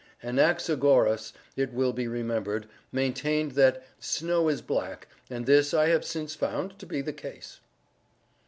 Anaxagoras, it will be remembered, maintained that snow is black, and this I have since found to be the case.